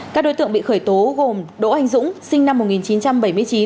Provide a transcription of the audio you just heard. các đối tượng bị khởi tố gồm đỗ anh dũng sinh năm một nghìn chín trăm bảy mươi chín